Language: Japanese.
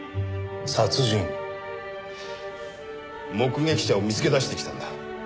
殺人？目撃者を見つけ出してきたんだ。